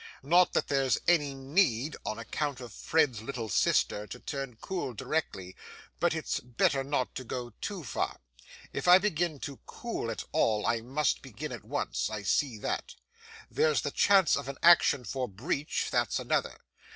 Not that there's any need, on account of Fred's little sister, to turn cool directly, but its better not to go too far. If I begin to cool at all I must begin at once, I see that. There's the chance of an action for breach, that's another.